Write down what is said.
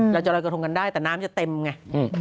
จะลอยกระทงกันได้แต่น้ำจะเต็มไง